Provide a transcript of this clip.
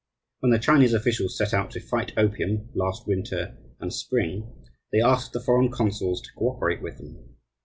When the Chinese officials set out to fight opium last winter and spring, they asked the foreign consuls to cooperate with them.